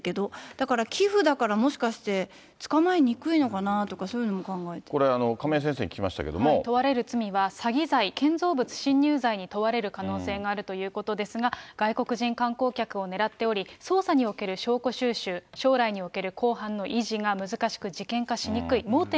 だから寄付だから、もしかして捕まえにくいのかなとかそういうのこれ、問われる罪は、詐欺罪、建造物侵入罪に問われる可能性があるということですが、外国人観光客を狙っており、捜査における証拠収集、将来における公判の維持が難しく事件化しにくい。